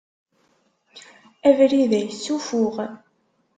Abrid-a yessufuɣ.